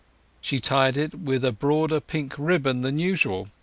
She tied it with a broader pink ribbon than usual.